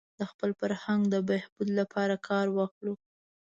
د خپل فرهنګ د بهبود لپاره کار واخلو.